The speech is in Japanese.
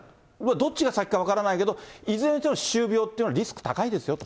どっちが先か分からないけれども、いずれにしても歯周病というのはリスクが高いですよと。